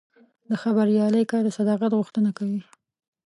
د خبریالۍ کار د صداقت غوښتنه کوي.